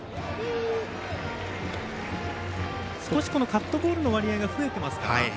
少しカットボールの割合が増えてますか？